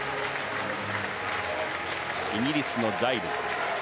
イギリスのジャイルズ。